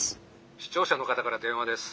☎視聴者の方から電話です。